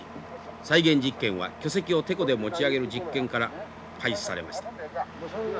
再現実験は巨石をテコで持ち上げる実験から開始されました。